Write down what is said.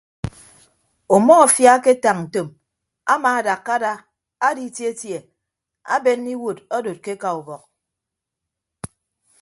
Umọfia aketañ ntom amaadakka ada aditietie abenne iwuud adod ke eka ubọk.